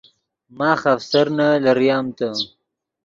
ماخ آفسرنے لریم تے